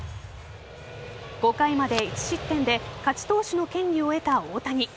５回まで１失点で勝ち投手の権利を得た大谷。